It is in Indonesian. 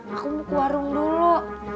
aku mau ke warung dulu